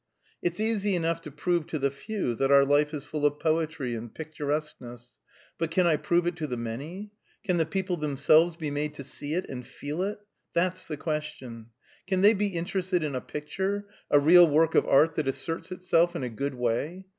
It's easy enough to prove to the few that our life is full of poetry and picturesqueness; but can I prove it to the many? Can the people themselves be made to see it and feel it? That's the question. Can they be interested in a picture a real work of art that asserts itself in a good way?